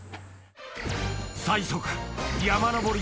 最速山登り